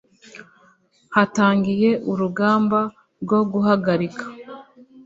hatangiye urugamba rwo guhagarika